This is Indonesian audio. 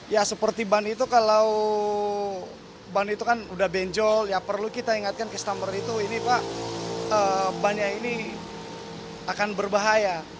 ya seperti ban itu kalau ban itu kan udah benjol ya perlu kita ingatkan customer itu ini pak ban yang ini akan berbahaya